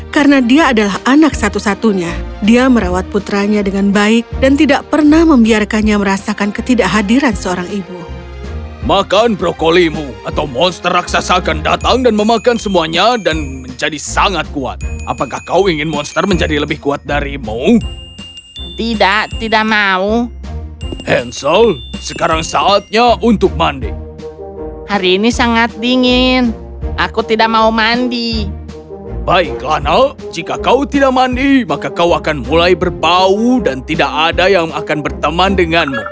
kau luar biasa jack semoga harimu menyenangkan